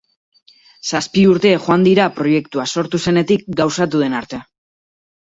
Zazpi urte joan dira proiektua sortu zenetik gauzatu den arte.